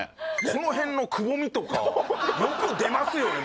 このへんのくぼみとかよく出ますよね